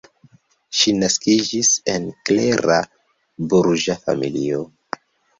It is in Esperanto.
Ŝi naskiĝis en klera burĝa familio.